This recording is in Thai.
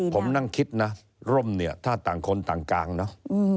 ผมนั่งคิดนะร่มเนี่ยถ้าต่างคนต่างกลางนะ